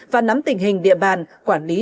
và nắm tình hình địa bàn quản lý